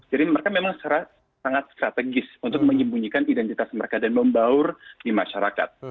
mereka memang sangat strategis untuk menyembunyikan identitas mereka dan membaur di masyarakat